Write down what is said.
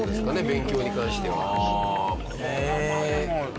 勉強に関しては。